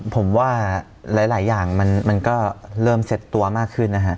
ผมว่าหลายอย่างมันก็เริ่มเซ็ตตัวมากขึ้นนะฮะ